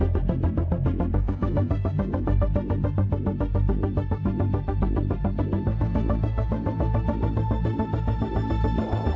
กลุ่มนี้เขามีอาวุธครบมือบุกมาหาเรื่องเอาเสื้อช็อปค่ะ